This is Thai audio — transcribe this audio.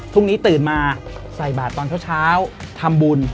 ทุ่งนี้ตื่นมาใส่บาทตอนเช้าทำบุญ